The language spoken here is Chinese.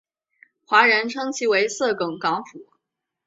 华人称其为色梗港府。